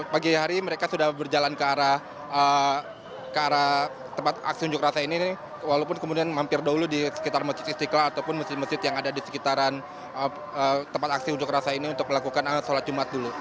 pagi hari mereka sudah berjalan ke arah tempat aksi unjuk rasa ini walaupun kemudian mampir dulu di sekitar masjid istiqlal ataupun masjid masjid yang ada di sekitaran tempat aksi unjuk rasa ini untuk melakukan sholat jumat dulu